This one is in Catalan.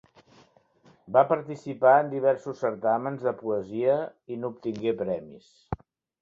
Va participar en diversos certàmens de poesia, i n'obtingué premis.